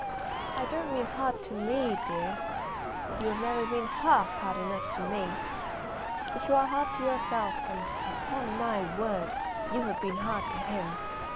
I don't mean hard to me, dear. You have never been half hard enough to me. But you are hard to yourself, and, upon my word, you have been hard to him.